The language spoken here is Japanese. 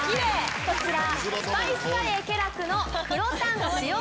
こちら。